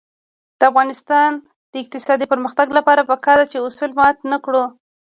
د افغانستان د اقتصادي پرمختګ لپاره پکار ده چې اصول مات نکړو.